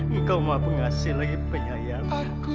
engkau maha pengasih lagi penyayang